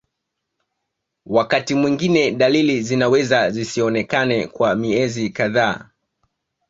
Wakati mwingine dalili zinaweza zisionekane kwa miezi kadhaa